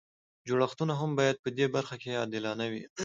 جوړښتونه هم باید په دې برخه کې عادلانه وي.